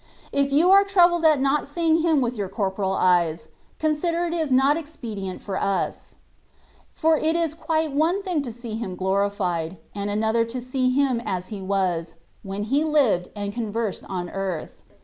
K you are troubled at not seeing Him with your corporal eyes^ consider it is not expedient for us ; for it is quite one thing to see Him glorified^ and another to see Him as He was^ when He lived and con versed on earth.